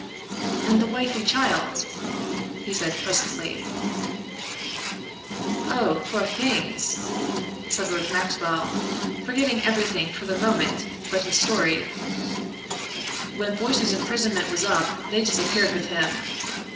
"And the wife and child?" he said presently. "Oh, poor things!" said Lord Maxwell, forgetting everything for the moment but his story "when Boyce's imprisonment was up they disappeared with him.